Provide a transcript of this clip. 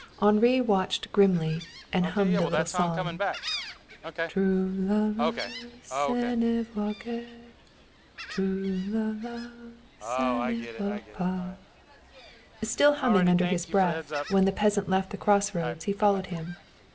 Henri watched grimly and hummed a little song: "Trou la la, çà ne va guère; Trou la la, çà ne va pas." Still humming under his breath, when the peasant left the crossroads he followed him.